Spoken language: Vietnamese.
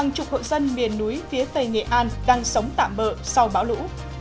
hàng chục hội dân miền núi phía tây nghệ an đang sống tạm bỡ sau bão lũ